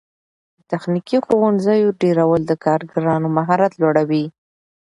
د تخنیکي ښوونځیو ډیرول د کارګرانو مهارت لوړوي.